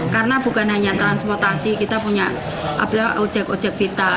karena bukan hanya transportasi kita punya objek objek vital